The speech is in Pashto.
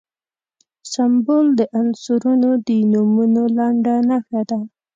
سمبول د عنصرونو د نومونو لنډه نښه ده.